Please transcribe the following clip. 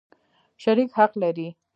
شریک حق لري.